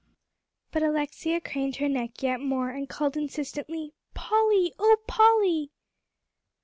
But Alexia craned her neck yet more, and called insistently, "Polly oh, Polly!"